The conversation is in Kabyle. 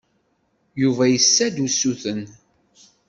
Yuba yessa-d usuten.